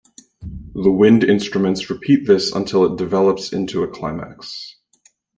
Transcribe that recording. The wind instruments repeat this until it develops into a climax.